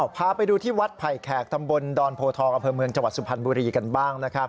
พาไปดูที่วัดไผ่แขกตำบลดอนโพทองอำเภอเมืองจังหวัดสุพรรณบุรีกันบ้างนะครับ